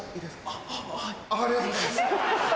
ありがとうございます。